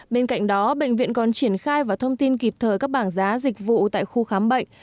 bên cạnh đó bệnh viện còn triển khai và thông tin kịp thời các bảng giá dịch vụ tại khu khám bệnh